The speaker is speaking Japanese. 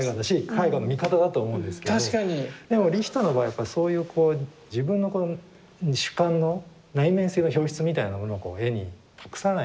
でもリヒターの場合やっぱそういうこう自分のこの主観の内面性の表出みたいなものをこう絵に託さない。